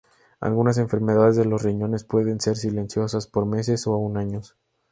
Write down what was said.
Algunas enfermedades de los riñones pueden ser "silenciosas" por meses o aún años.